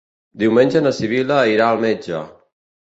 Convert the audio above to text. Diumenge na Sibil·la irà al metge.